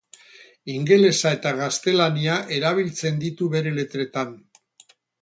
Ingelesa eta gaztelania erabiltzen ditu bere letretan.